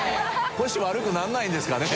腰悪くならないんですかね